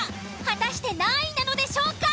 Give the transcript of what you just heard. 果たして何位なのでしょうか。